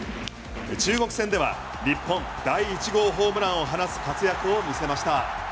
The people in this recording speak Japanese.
中国戦では日本第１号ホームランを放つ活躍を見せました。